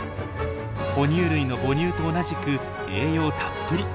哺乳類の母乳と同じく栄養たっぷり。